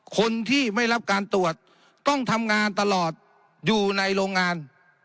คนที่ไม่รับการตรวจต้องทำงานตลอดอยู่ในโรงงาน